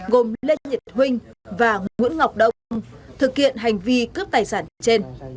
gồm lê nhật huynh và nguyễn ngọc đông thực hiện hành vi cướp tài sản như trên